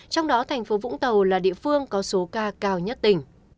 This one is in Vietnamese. trong đó thành phố vũng tàu là địa phương có số ca cao nhất tỉnh